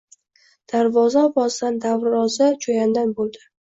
Darvoza ovozidan — darvoza cho‘yandan bo‘ldi.